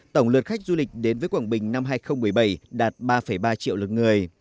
tổng lượt khách du lịch đến với quảng bình năm hai nghìn một mươi bảy đạt ba ba triệu lượt người